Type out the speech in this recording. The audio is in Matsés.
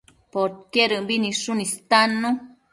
Podquedëmbi nidshun istannu